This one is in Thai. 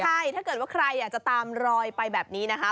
ใช่ถ้าเกิดว่าใครอยากจะตามรอยไปแบบนี้นะคะ